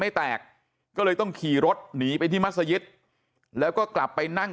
ไม่แตกก็เลยต้องขี่รถหนีไปที่มัศยิตแล้วก็กลับไปนั่ง